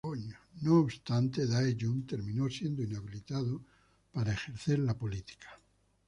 No obstante, Dae-jung terminó siendo inhabilitado para ejercer la política.